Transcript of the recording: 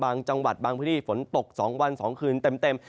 บางจังหวัดบางพื้นที่ฝนตก๒วัน๒คืนเต็ม